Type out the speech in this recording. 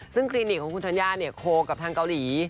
ซึ่งคลินิกของคุณธัญญาเนี่ยโคลกับทางเกาหลี